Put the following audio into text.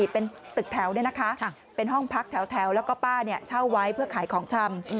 เป็นตึกแถวเป็นห้องพักแถวแล้วก็ป้าเช่าไว้เพื่อขายของชำ